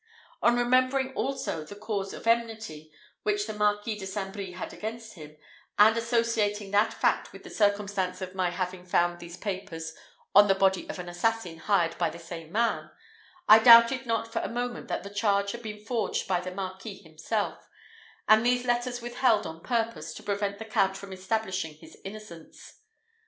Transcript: On remembering, also, the cause of enmity which the Marquis de St. Brie had against him, and associating that fact with the circumstance of my having found these papers on the body of an assassin hired by the same man, I doubted not for a moment that the charge had been forged by the Marquis himself, and these letters withheld on purpose to prevent the Count from establishing his innocence.